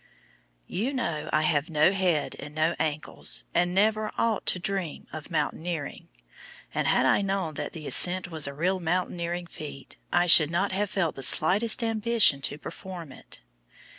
You know I have no head and no ankles, and never ought to dream of mountaineering; and had I known that the ascent was a real mountaineering feat I should not have felt the slightest ambition to perform it.